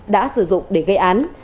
đã sử dụng để gây án